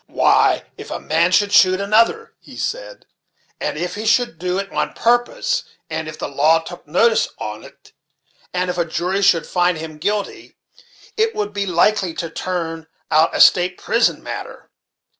"Why, if a man should shoot another," he said, "and if he should do it on purpose and if the law took notice on't, and if a jury should find him guilty, it would be likely to turn out a state prison matter."